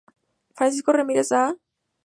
Francisco Ramírez, A. Jauretche, Alejo Peyret, Av.